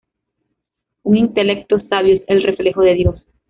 Un intelecto sabio es el reflejo de Dios.